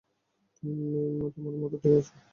তুমি তোমার মতো ঠিক আছো।